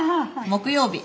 木曜日。